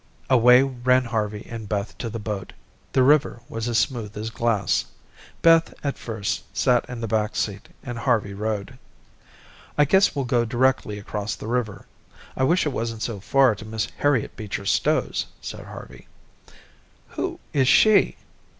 Away ran Harvey and Beth to the boat. The river was as smooth as glass. Beth, at first, sat in the back seat, and Harvey rowed. "I guess we'll go directly across the river. I wish it wasn't so far to Mrs. Harriet Beecher Stowe's," said Harvey. "Who is she?"